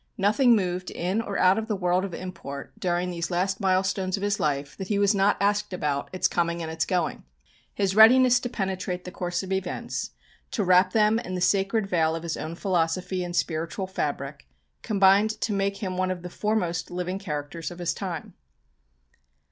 Nothing moved in or out of the world of import, during these last milestones of his life, that he was not asked about its coming and its going. His readiness to penetrate the course of events, to wrap them in the sacred veil of his own philosophy and spiritual fabric, combined to make him one of the foremost living characters of his time.